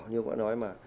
như ông đã nói mà